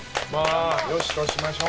よしとしましょう。